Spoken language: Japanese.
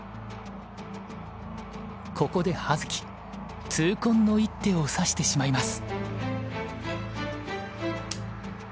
ここで葉月痛恨の一手を指してしまいます。